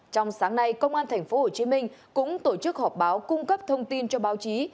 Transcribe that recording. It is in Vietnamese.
trong sáng nay công an tp hcm cũng tổ chức họp báo cung cấp thông tin cho báo chí